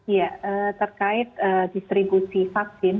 ya terkait distribusi vaksin